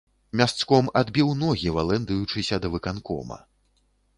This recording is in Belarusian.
Мясцком адбіў ногі, валэндаючыся да выканкома.